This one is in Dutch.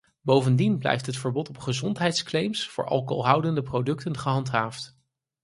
Bovendien blijft het verbod op gezondheidsclaims voor alcoholhoudende producten gehandhaafd.